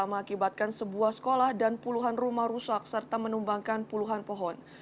mengakibatkan sebuah sekolah dan puluhan rumah rusak serta menumbangkan puluhan pohon